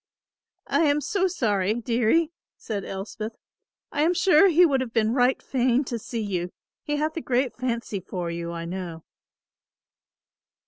"I am so sorry, dearie," said Elspeth; "I am sure he would have been right fain to see you, he hath a great fancy for you, I know."